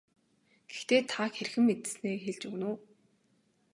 Гэхдээ та хэрхэн мэдсэнээ хэлж өгнө үү.